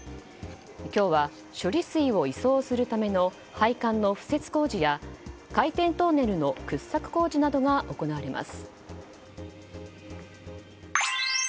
今日は処理水を移送するための配管の敷設工事や海底トンネルの掘削工事などが行われます。